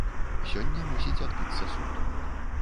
Сёння мусіць адбыцца суд.